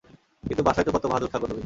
কিন্তু বাসায় তো কত বাহাদুর থাকো তুমি!